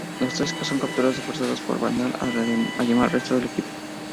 Los tres son capturados y forzados por Vandal a llamar al resto del equipo.